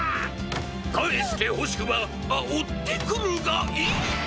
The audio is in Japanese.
かえしてほしくばあおってくるがいいビ！